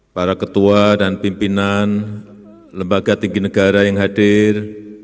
para ketua dan pimpinan lembaga tinggi negara yang hadir